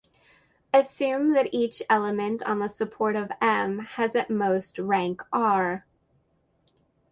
Assume that each element on the support of "M" has at most rank "r".